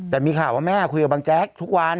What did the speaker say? แต่มีข่าวว่าแม่คุยกับบางแจ๊กทุกวัน